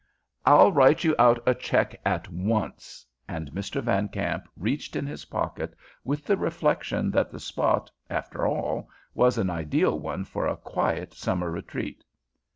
"I'll write you out a check at once," and Mr. Van Kamp reached in his pocket with the reflection that the spot, after all, was an ideal one for a quiet summer retreat.